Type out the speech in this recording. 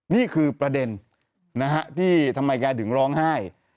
นี่คือประเด็นที่ทำไมแกถึงร้องไห้